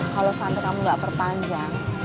kalau sampai kamu gak perpanjang